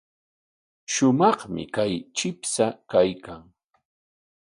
Shumaqmi kay chipsha kaykan.